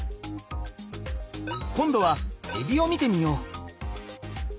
今度はえびを見てみよう。